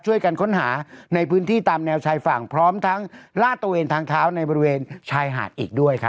ช่วยกันค้นหาในพื้นที่ตามแนวชายฝั่งพร้อมทั้งลาดตระเวนทางเท้าในบริเวณชายหาดอีกด้วยครับ